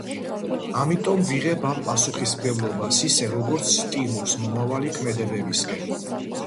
ამიტომ ვიღებ ამ პასუხისმგებლობას ისე, როგორც სტიმულს მომავალი ქმედებებისკენ.